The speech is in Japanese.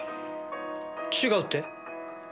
違うって？